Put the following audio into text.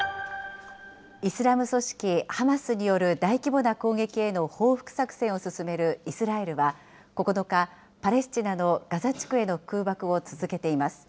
イスラム組織ハマスによる大規模な攻撃への報復作戦を進めるイスラエルは、９日、パレスチナのガザ地区への空爆を続けています。